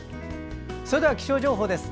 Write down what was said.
それでは気象情報です。